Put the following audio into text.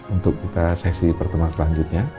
untuk kita sesi pertemuan selanjutnya